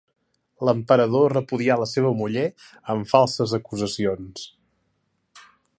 L'emperador repudià la seva muller amb falses acusacions.